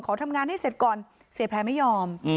ขอทำงานให้เสร็จก่อนเสียแพร่ไม่ยอม